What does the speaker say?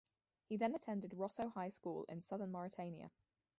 He then attended Rosso High School in southern Mauritania.